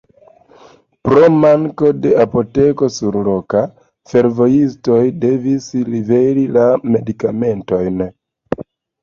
Pro manko de apoteko surloka fervojistoj devis liveri la medikamentojn.